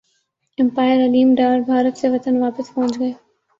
empire Aleem Dar Bharat سے وطن واپس پہنچ گئے